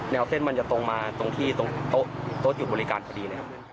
แนวเส้นมันจะตรงมาตรงที่โต๊ะจุดบริการพอดี